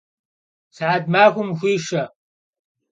Sıhet maxuem vu'uş'e!